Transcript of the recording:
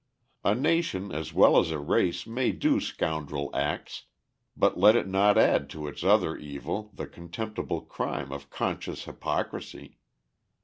A nation as well as a race may do scoundrel acts, but let it not add to its other evil the contemptible crime of conscious hypocrisy.